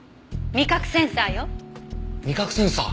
味覚センサー。